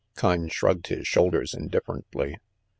Kyne shrugged his shoulders indifferently.